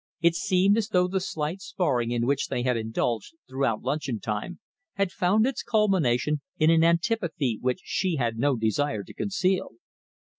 It seemed as though the slight sparring in which they had indulged throughout luncheon time, had found its culmination in an antipathy which she had no desire to conceal.